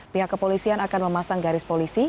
pihak kepolisian akan memasang garis polisi